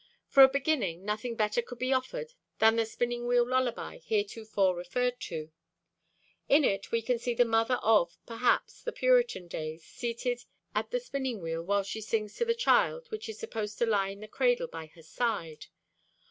For a beginning, nothing better could be offered than the Spinning Wheel lullaby heretofore referred to. In it we can see the mother of, perhaps, the Puritan days, seated at the spinning wheel while she sings to the child which is supposed to lie in the cradle by her side.